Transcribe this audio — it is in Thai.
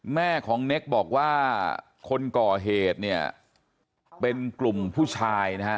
แม่ของเน็กบอกว่าคนก่อเหตุเนี่ยเป็นกลุ่มผู้ชายนะฮะ